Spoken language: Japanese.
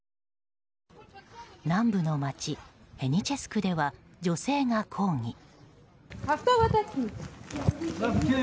南部の街ヘニチェスクでは女性が抗議。